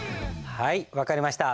はい分かりました。